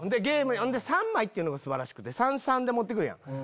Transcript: ３枚っていうのが素晴らしくて３３で持ってくるやん。